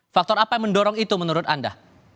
faktor apa yang mendorong itu menurut anda